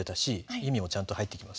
意味もちゃんと入ってきます。